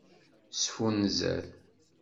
Sfunzer.